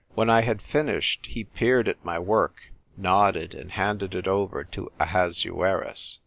When I had finished, he peered at my work, nodded, and handed it over to Ahasuerus.